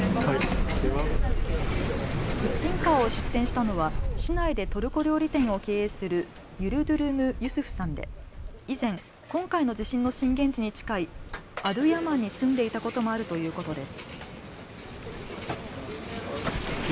キッチンカーを出店したのは市内でトルコ料理店を経営するユルドゥルム・ユスフさんで以前、今回の地震の震源地に近いアドゥヤマンに住んでいたこともあるということです。